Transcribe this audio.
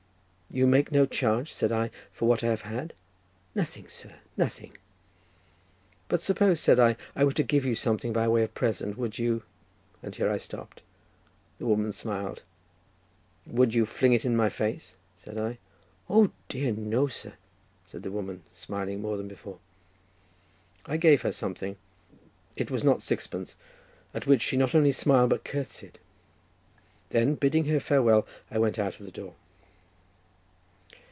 "You make no charge," said I, "for what I have had." "Nothing, sir; nothing." "But suppose," said I, "I were to give you something by way of present, would you—" and here I stopped. The woman smiled. "Would you fling it in my face?" said I. "O dear, no, sir," said the woman, smiling more than before. I gave her something—it was not a sixpence—at which she not only smiled, but curtseyed; then bidding her farewell I went out of the door.